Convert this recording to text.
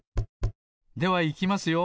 ではいきますよ。